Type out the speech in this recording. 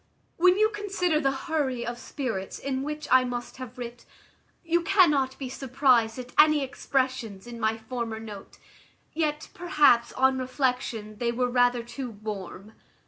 "When you consider the hurry of spirits in which I must have writ, you cannot be surprized at any expressions in my former note. Yet, perhaps, on reflection, they were rather too warm.